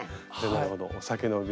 なるほどお酒の瓶。